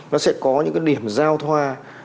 nó sẽ có những điểm giao thoa